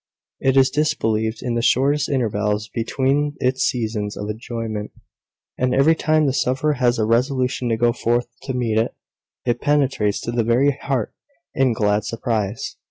It is disbelieved in the shortest intervals between its seasons of enjoyment: and every time the sufferer has resolution to go forth to meet it, it penetrates to the very heart in glad surprise.